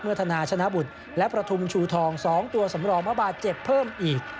ธนาชนะบุตรและประทุมชูทอง๒ตัวสำรองว่าบาดเจ็บเพิ่มอีก